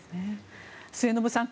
末延さん